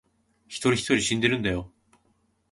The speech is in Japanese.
人一人死んでるんだよ